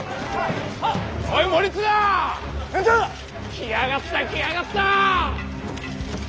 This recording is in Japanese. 来やがった来やがった！